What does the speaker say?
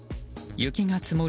雪が積もる